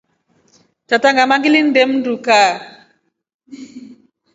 Tata ngama ngilimnde mndu kaa.